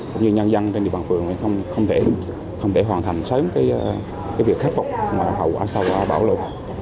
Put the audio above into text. cũng như nhân dân trên địa phương thì không thể hoàn thành sớm việc khắc phục hậu quả sau bão lũ